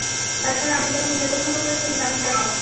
তাছাড়া, আমি যেমন মেয়ে পছন্দ করি তুমি তেমনটা নও।